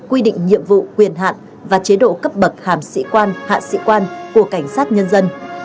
quy định nhiệm vụ quyền hạn và chế độ cấp bậc hàm sĩ quan hạ sĩ quan của cảnh sát nhân dân